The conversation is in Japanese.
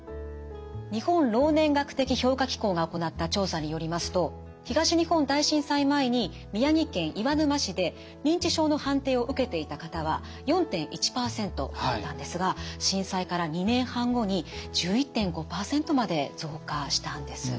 日本老年学的評価機構が行った調査によりますと東日本大震災前に宮城県岩沼市で認知症の判定を受けていた方は４．１％だったんですが震災から２年半後に１１．５％まで増加したんです。